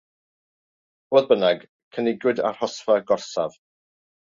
Fodd bynnag, cynigwyd arhosfa gorsaf.